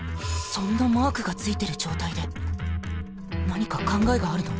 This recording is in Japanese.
そんなマークがついてる状態で何か考えがあるの？